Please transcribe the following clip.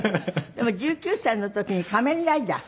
でも１９歳の時に『仮面ライダー』？